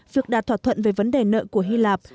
việc đạt thỏa thuận về vấn đề nợ của hy lạp